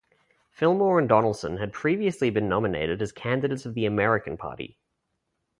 Fillmore and Donelson had previously been nominated as candidates of the American Party.